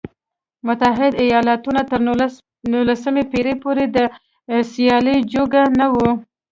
متحده ایالتونه تر نولسمې پېړۍ پورې د سیالۍ جوګه نه و.